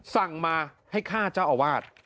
สั่งมาให้ฆ่าเจ้าอาวาส